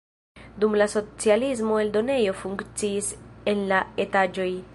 Dum la socialismo eldonejo funkciis en la etaĝoj.